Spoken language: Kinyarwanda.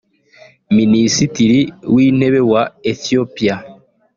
Minisitiri w’Intebe wa Ethiopia